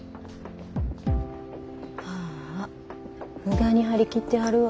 ああ無駄に張り切ってはるわ。